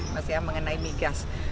masih ya mengenai migas